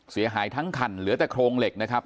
เสียหายทั้งคันเหลือแต่โครงเหล็กนะครับ